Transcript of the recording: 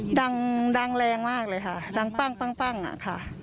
ติดติดกันเลยค่ะดังดังแรงมากเลยค่ะดังปั้งปั้งปั้งอ่ะค่ะ